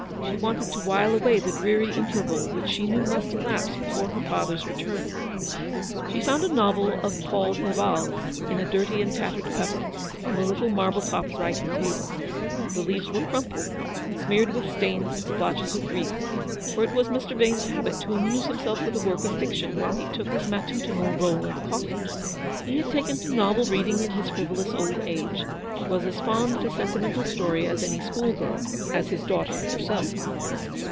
She wanted to while away the dreary interval which she knew must elapse before her father's return. She found a novel of Paul Fevar's in a dirty and tattered cover, on the little marble topped writing table. The leaves were crumpled, and smeared with stains and WAITING. Ill splotches of grease, for it was Mr. Vane's habit to amuse himself with a work of fiction while he took his matutiual roll and coffee. He had taken to novel reading in his frivolous old age, and was as fond of a sentimental story as any school girl, — as his daughter herself.